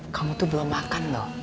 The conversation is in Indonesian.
kamu tuh belum makan lho